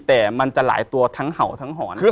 แต่มันจะหลายตัวทั้งเห่าทั้งหอน